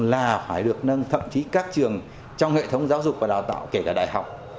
là phải được nâng thậm chí các trường trong hệ thống giáo dục và đào tạo kể cả đại học